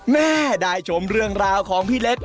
แม่ได้ชมเรื่องราวของพี่เล็ก